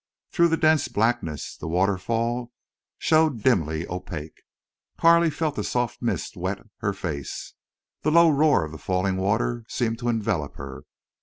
Through the dense blackness the waterfall showed dimly opaque. Carley felt a soft mist wet her face. The low roar of the falling water seemed to envelop her.